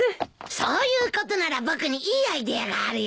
そういうことなら僕にいいアイデアがあるよ。